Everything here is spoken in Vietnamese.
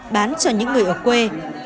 bán cho những người ở quê